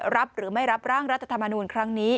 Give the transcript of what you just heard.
รับหรือไม่รับร่างรัฐธรรมนูลครั้งนี้